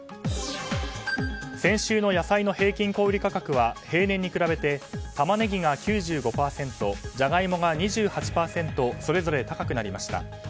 先週の野菜の平均小売価格は平年に比べて、タマネギが９５％ジャガイモが２８％それぞれ高くなりました。